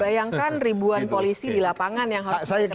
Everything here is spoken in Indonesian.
bayangkan ribuan polisi di lapangan yang harus kita kasihkan ini